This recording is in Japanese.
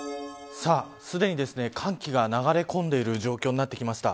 さあ、すでに寒気が流れ込んでいる状況になってきました。